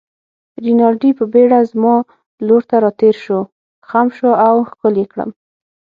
رینالډي په بېړه زما لور ته راتېر شو، خم شو او ښکل يې کړم.